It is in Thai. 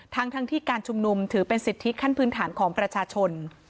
ทั้งที่การชุมนุมถือเป็นสิทธิขั้นพื้นฐานของประชาชน